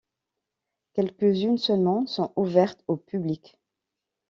Quelques-unes seulement sont ouvertes au public.